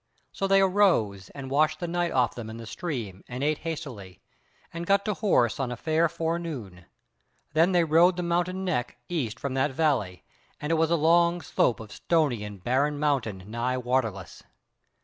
So they arose and washed the night off them in the stream and ate hastily, and got to horse on a fair forenoon; then they rode the mountain neck east from that valley; and it was a long slope of stony and barren mountain nigh waterless.